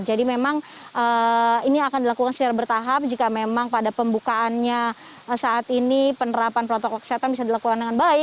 jadi memang ini akan dilakukan secara bertahap jika memang pada pembukaannya saat ini penerapan protokol kesehatan bisa dilakukan dengan baik